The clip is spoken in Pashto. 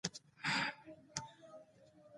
په جنګونو کې د پوځي مشر په حیث برخه اخلي.